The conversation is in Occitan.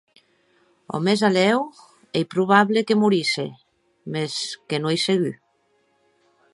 O mèsalèu ei probable que morisse, mès que non ei segur.